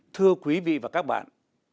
thưa quý vị và các bạn